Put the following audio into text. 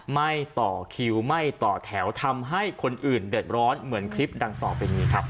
ไม่ต่อคิวไม่ต่อแถวทำให้คนอื่นเดือดร้อนเหมือนคลิปดังต่อไปนี้ครับ